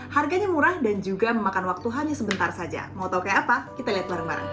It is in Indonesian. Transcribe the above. harganya murah dan juga memakan waktu hanya sebentar saja mau tahu kayak apa kita lihat bareng bareng